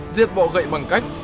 diệt bọ gậy bằng cách